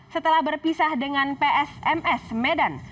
setelah berpisah dengan ps ms medan